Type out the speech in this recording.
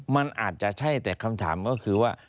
มันอาจจะใช่แต่คำถามก็คือว่า